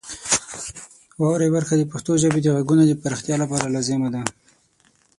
واورئ برخه د پښتو ژبې د غږونو د پراختیا لپاره لازمه ده.